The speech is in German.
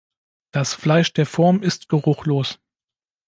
Das Fleisch der Form ist geruchlos.